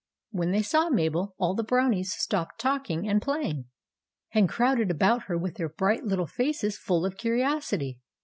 When they saw Mabel, all the Brownies stopped talking and playing, and crowded about her with their bright little faces full of curiosity.